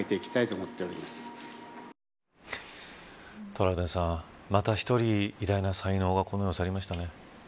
トラウデンさん、また１人偉大な才能がこの世を去りましたね。